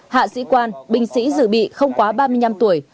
hạ sĩ quan binh sĩ dự bị không quá ba mươi năm tuổi